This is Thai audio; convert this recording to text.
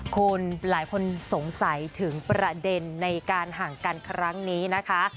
คุณหลายคนสงสัยถึงประเด็นในการห่างกันครั้งนี้นะคะ